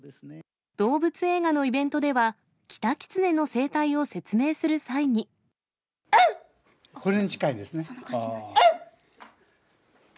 動物映画のイベントでは、これに近いですね。